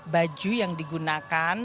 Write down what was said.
baju yang digunakan